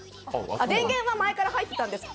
電源は前から入ってたんです。